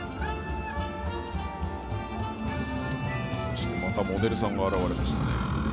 そして、またモデルさんが現れました。